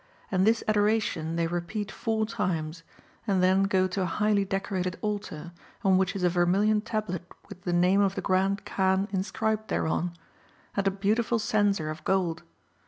And this adoration they repeat four times, and then go to a highly decorated altar, on which is a vermilion tablet with the name of the Grand Kaan inscribed thereon, 392 MARCO POLO Book II. and a beautiful censer of gold.